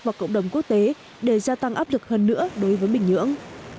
và cộng đồng quốc tế để gia tăng áp lực hơn nữa đối với bình nhưỡng